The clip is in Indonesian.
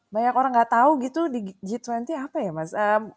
banyak orang nggak tahu gitu di g dua puluh apa ya mas